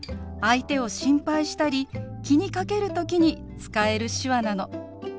相手を心配したり気にかける時に使える手話なの。